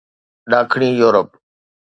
ڏاکڻي يورپ